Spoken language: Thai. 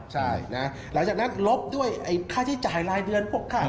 ใช่นะหลังจากนั้นลบด้วยค่าใช้จ่ายรายเดือนพวกค่า